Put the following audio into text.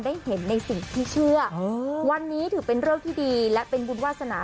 ได้เห็นในสิ่งที่เชื่อวันนี้ถือเป็นเรื่องที่ดีและเป็นบุญวาสนา